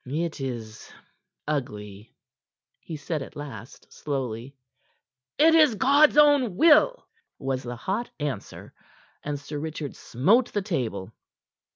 "It is... ugly," he said at last slowly. "It is God's own will," was the hot answer, and Sir Richard smote the table.